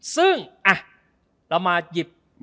ซึ่งเรามาหยิบ